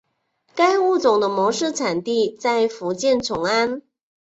该物种的模式产地在福建崇安。